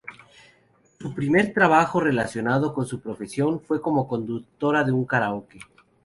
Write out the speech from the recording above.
Su primer trabajo relacionado con su profesión fue como conductora de un karaoke.